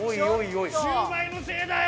シュウマイのせいだよ！